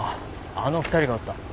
あの２人がおった。